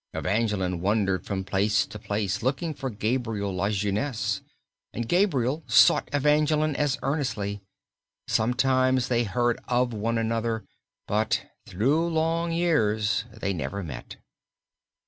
Evangeline wandered from place to place looking for Gabriel Lajeunesse, and Gabriel sought Evangeline as earnestly. Sometimes they heard of one another but through long years they never met.